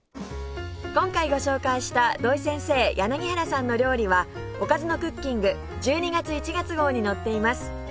今回ご紹介した土井先生柳原さんの料理は『おかずのクッキング』１２月１月号に載っています